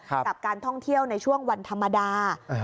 กับการท่องเที่ยวในช่วงวันธรรมดา